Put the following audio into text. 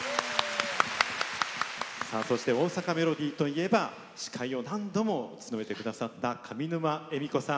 そして「大阪メロディー」といえば司会を何度も務めてくださった上沼恵美子さん。